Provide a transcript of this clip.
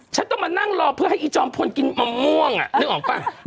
ฉันต้องมานั่งรอเพื่อให้อีจอมพลกินมะม่วงนึกออกป่ะ